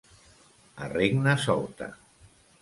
A regna solta.